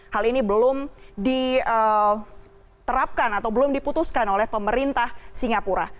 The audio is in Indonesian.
hal ini belum diterapkan atau belum diputuskan oleh pemerintah singapura